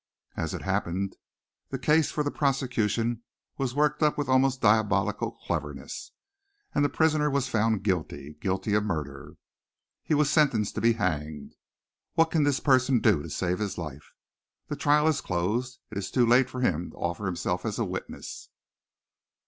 As it happened, the case for the prosecution was worked up with almost diabolical cleverness, and the prisoner was found guilty guilty of murder. He was sentenced to be hanged. What can this person do to save his life? The trial is closed. It is too late for him to offer himself as a witness."